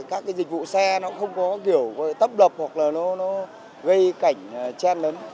các dịch vụ xe nó không có kiểu tấp lập hoặc là nó gây cảnh chen lớn